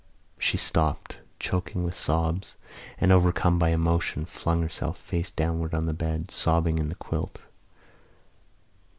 She stopped, choking with sobs and, overcome by emotion, flung herself face downward on the bed, sobbing in the quilt.